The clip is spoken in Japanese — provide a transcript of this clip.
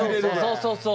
そうそうそう。